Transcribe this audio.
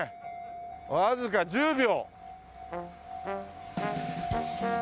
わずか１０秒！